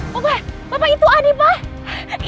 bapak bapak itu adi pak